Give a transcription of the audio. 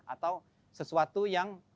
atau sesuatu yang